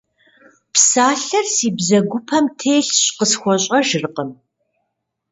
Псалъэр си бзэгупэм телъщ, къысхуэщӏэжыркъым.